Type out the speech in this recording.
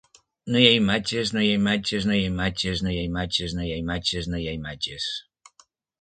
No hi ha imatges no hi ha imatges no hi ha imatges no hi ha imatges no hi ha imatges no hi ha imatges